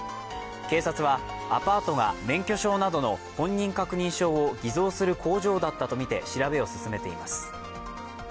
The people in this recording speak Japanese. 警察はアパートが免許証などの本人確認証を偽造する工場だったとみて調べを進めています。